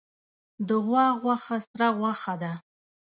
د غوا غوښه سره غوښه ده